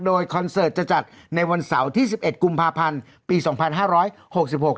โดยคอนเสิร์ตจะจัดในวันเสาร์ที่สิบเอ็ดกุมภาพันธ์ปีสองพันห้าร้อยหกสิบหก